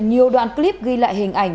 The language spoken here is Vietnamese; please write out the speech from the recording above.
nhiều đoạn clip ghi lại hình ảnh